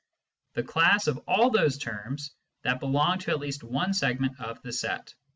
the class of all those terms that belong to at least one segment of the set.